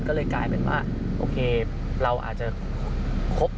คุณอาจจะมีประโยชน์